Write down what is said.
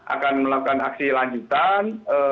akan melakukan aksi lanjutan